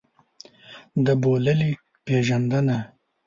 د بوللې پېژندنه.